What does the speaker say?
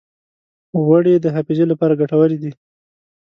غوړې د حافظې لپاره ګټورې دي.